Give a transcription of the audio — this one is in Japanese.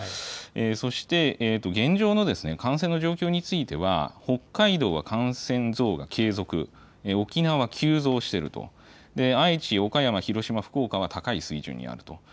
そして現状の感染の状況については、北海道は感染増が継続、沖縄急増していると、愛知、岡山、広島、福岡は高い水準にあると。